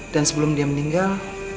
dan sebelum dia meninggal